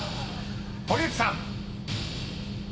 堀内さん］